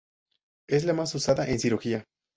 Es la más usada en cirugía.